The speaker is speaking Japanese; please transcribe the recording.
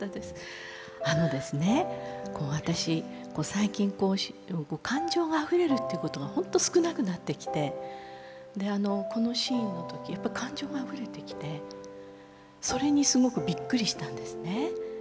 最近こう感情があふれるということが本当少なくなってきてであのこのシーンの時感情があふれてきてそれにすごくびっくりしたんですね。